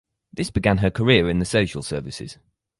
This began her career in the social services.